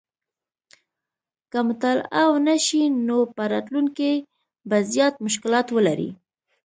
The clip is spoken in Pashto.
که مطالعه ونه شي نو په راتلونکي کې به زیات مشکلات ولري